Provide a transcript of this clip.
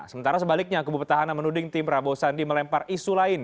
sementara sebaliknya kubu petahana menuding tim prabowo sandi melempar isu lain